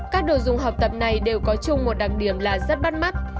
các đồ dùng học tập này đều có chung một đặc điểm là rất bắt mắt